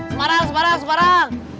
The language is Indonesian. semarang semarang semarang